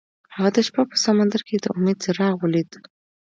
هغه د شپه په سمندر کې د امید څراغ ولید.